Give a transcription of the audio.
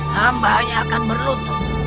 hamba hanya akan berlutut